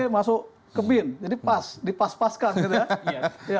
masuk ke bin jadi pas dipas paskan gitu ya